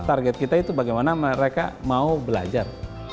target kita itu bagaimana mereka mau belajar